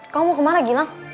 kamu mau kemana gilang